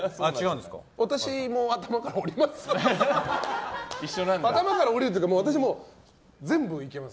私も頭から下ります。